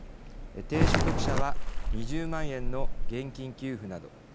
低所得者は２０万円の現金給付など。